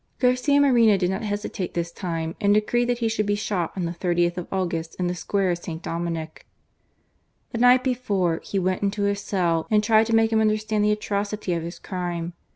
Garcia Moreno did not hesitate this time, and decreed that he should be shot on the 30th of August in the Square of St. Dominic. The night before, he went into his cell and tried to make him understand the atrocity of his crime.